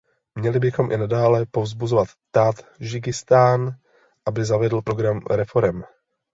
Měli bychom i nadále povzbuzovat Tádžikistán, aby zavedl program reforem.